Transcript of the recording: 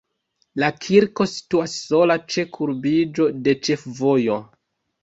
La kirko situas sola ĉe kurbiĝo de ĉefvojo.